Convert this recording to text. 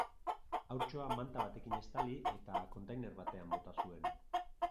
Haurtxoa manta batekin estali eta kontainer batean bota zuen.